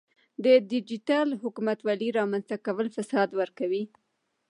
د ډیجیټل حکومتولۍ رامنځته کول فساد ورکوي.